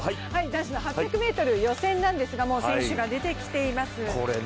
男子８００ｍなんですが選手が出てきています